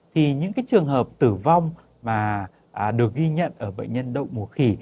thì những trường hợp tử vong mà được ghi nhận ở bệnh nhân đậu mùa khỉ